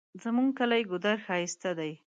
زمونږ کلی ګودر ښایسته ده